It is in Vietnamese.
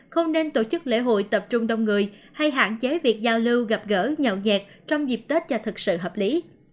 không nên tổ chức lễ hội tập trung đông người hay hạn chế việc giao lưu gặp gỡ nhậu nhẹt trong dịp tết cho thực sự hợp lý